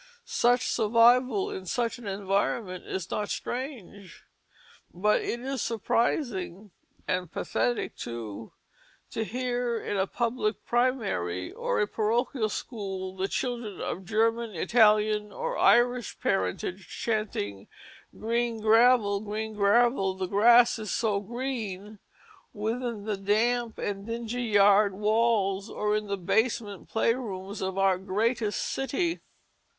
Such a survival in such an environment is not strange; but it is surprising and pathetic, too, to hear in a public primary or a parochial school the children of German, Italian, or Irish parentage chanting "Green gravel, green gravel, the grass is so green," within the damp and dingy yard walls or in the basement playrooms of our greatest city.